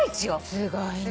すごいね。